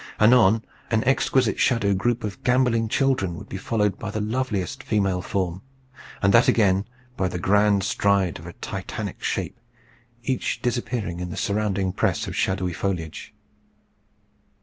Anon an exquisite shadow group of gambolling children would be followed by the loveliest female form, and that again by the grand stride of a Titanic shape, each disappearing in the surrounding press of shadowy foliage.